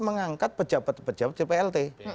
mengangkat pejabat pejabat jpl